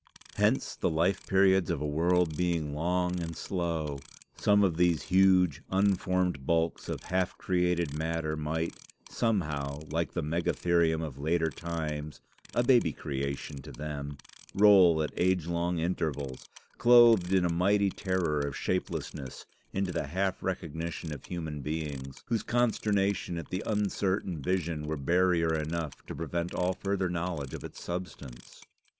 Hence, the life periods of a world being long and slow, some of these huge, unformed bulks of half created matter might, somehow, like the megatherium of later times, a baby creation to them, roll at age long intervals, clothed in a mighty terror of shapelessness into the half recognition of human beings, whose consternation at the uncertain vision were barrier enough to prevent all further knowledge of its substance."